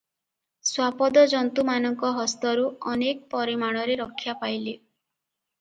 ଶ୍ୱାପଦ ଜନ୍ତୁମାନଙ୍କ ହସ୍ତରୁ ଅନେକ ପରିମାଣରେ ରକ୍ଷା ପାଇଲେ ।